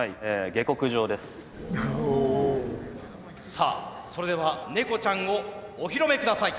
さあそれではネコちゃんをお披露目ください。